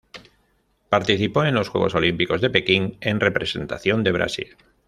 Participó en los Juegos Olímpicos de Pekín en representación de Brasil.